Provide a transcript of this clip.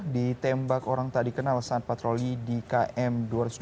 ditembak orang tak dikenal saat patroli di km dua ratus dua puluh